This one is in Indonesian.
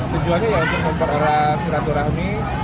tujuannya untuk memperolah silaturahmi